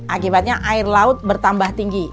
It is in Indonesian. akibatnya air laut bertambah tinggi